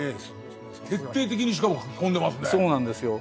徹底的にしかも描き込んでますね。